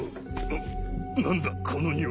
あっ何だよ？